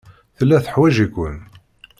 Tella teḥwaj-iken.